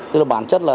tức là bản chất là